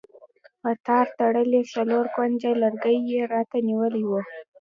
په تار تړلی څلور کونجه لرګی یې راته نیولی و.